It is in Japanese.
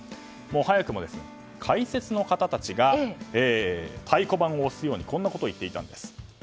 早くも解説の方たちが太鼓判を押すようにこんなことを言っていたんです。